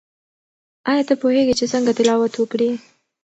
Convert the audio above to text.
آیا ته پوهیږې چې څنګه تلاوت وکړې؟